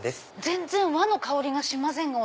全然和の香りがしませんが。